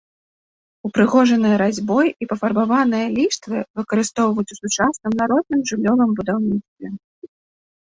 Упрыгожаныя разьбой і пафарбаваныя ліштвы выкарыстоўваюць у сучасным народным жыллёвым будаўніцтве.